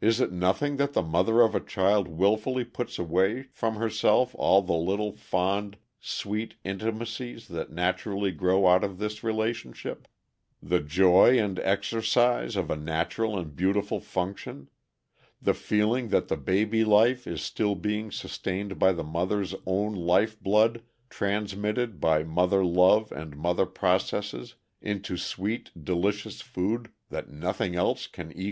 Is it nothing that the mother of a child willfully puts away from herself all the little, fond, sweet intimacies that naturally grow out of this relationship; the joy of exercise of a natural and beautiful function; the feeling that the baby life is still being sustained by the mother's own life blood transmuted by mother love and mother processes into sweet, delicious food that nothing else can equal?